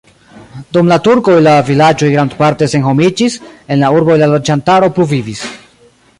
Dum la turkoj la vilaĝoj grandparte senhomiĝis, en la urboj la loĝantaro pluvivis.